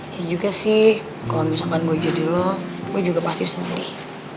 ya juga sih kalau misalkan gue jadi lo gue juga pasti sedih